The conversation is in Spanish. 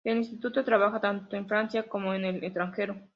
El instituto trabaja tanto en Francia como en el extranjero.